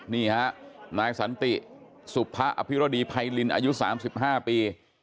นี่ฮะนายสันติสุภะอภิรดีไพรินอายุ๓๕ปี